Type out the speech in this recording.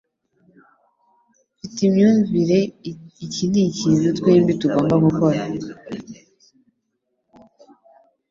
Mfite imyumvire iki nikintu twembi tugomba gukora.